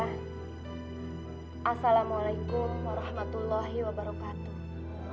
hai assalamualaikum warahmatullahi wabarakatuh